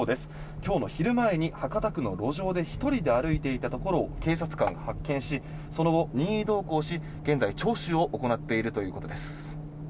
今日の昼前に博多区の路上で１人で歩いていたところを警察官が発見しその後、任意同行し現在、聴取を行っているということです。